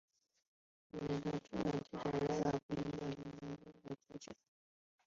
口岸之通关能力已经大大不能应付日常运作之需求。